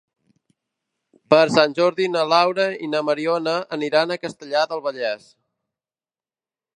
Per Sant Jordi na Laura i na Mariona aniran a Castellar del Vallès.